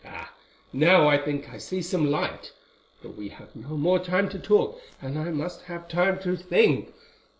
Ah! now I think I see some light. But we have no more time to talk, and I must have time to think.